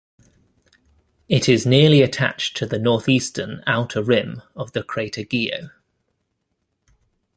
It is nearly attached to the northeastern outer rim of the crater Guyot.